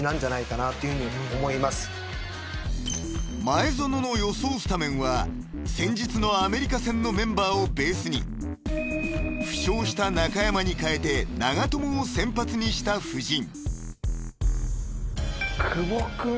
［前園の予想スタメンは先日のアメリカ戦のメンバーをベースに負傷した中山に代えて長友を先発にした布陣］